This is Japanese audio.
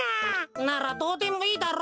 ならどうでもいいだろ？